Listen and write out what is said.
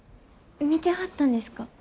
見てはったんですか？